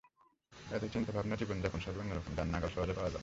এঁদের চিন্তাভাবনা, জীবনযাপন—সবই অন্য রকম, যার নাগাল সহজে পাওয়া যায় না।